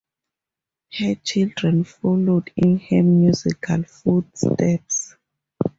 Her children followed in her musical footsteps.